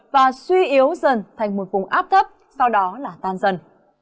và suy yếu dần thành một vùng áp thấp sau đó là tan dần